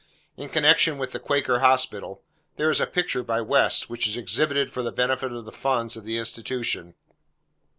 In connection with the quaker Hospital, there is a picture by West, which is exhibited for the benefit of the funds of the institution.